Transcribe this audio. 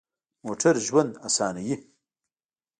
موټر د ژوند اسانوي.